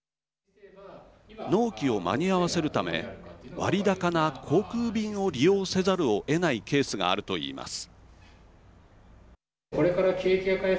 納期を間に合わせるため割高な航空便を利用せざるをえないケースがあるといいます。